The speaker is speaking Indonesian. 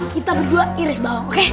kita berdua iris bawang